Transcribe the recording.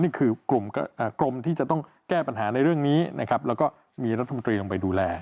นี่คือกลุ่มกรมที่จะต้องแก้ปัญหาในเรื่องนี้นะครับแล้วก็มีรัฐมนตรีลงไปดูแล